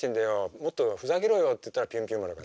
もっとふざけろよっていったら「ピュンピュン丸」が。